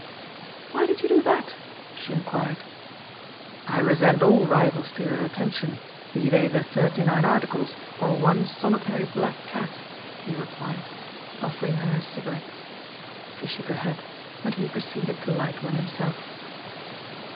Why did you do that?" she enquired. "I resent all rivals to your attention, be they the Thirty Nine Articles or one solitary black cat," he replied, offering her a cigarette. She shook her head, and he proceeded to light one himself.